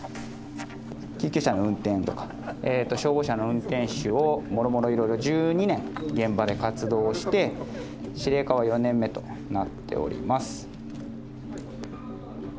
救急車の運転とか消防車の運転手をもろもろいろいろ１２年現場で活動して司令課は４年目となっております。